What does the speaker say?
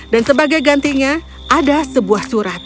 dan sebagai gantinya ada sebuah surat